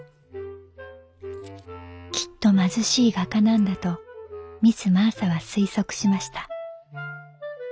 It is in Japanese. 「きっと貧しい画家なんだとミス・マーサは推測しました」。